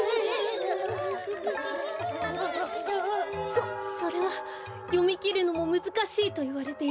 そそれはよみきるのもむずかしいといわれている